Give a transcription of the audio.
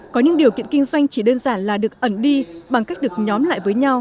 có những điều kiện kinh doanh chỉ đơn giản là được ẩn đi bằng cách được nhóm lại với nhau